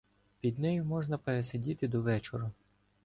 Під нею можна пересидіти до вечора.